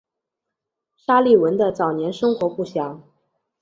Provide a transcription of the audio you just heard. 沙利文的早年生活不详。